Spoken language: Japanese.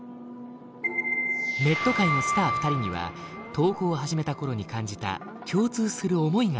ネット界のスター２人には投稿を始めた頃に感じた共通する思いがあった。